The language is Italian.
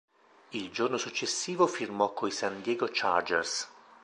Il giorno successivo firmò coi San Diego Chargers.